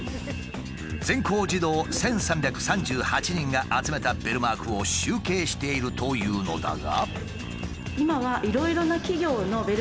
全校児童１，３３８人が集めたベルマークを集計しているというのだが。